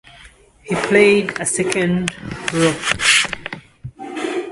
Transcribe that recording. He played as second row.